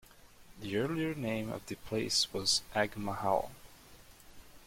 The earlier name of the place was Agmahal.